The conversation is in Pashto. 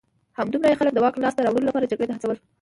همدومره یې خلک د واک لاسته راوړلو لپاره جګړې ته هڅول